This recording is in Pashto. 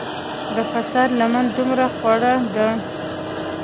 د فساد لمن دومره خوره ده.